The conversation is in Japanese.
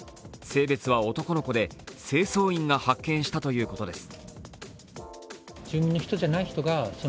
性別は男の子で、清掃員が発見したということです。